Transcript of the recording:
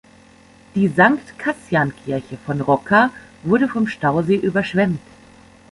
Die Sankt-Kassian-Kirche von Rocca wurde vom Stausee überschwemmt.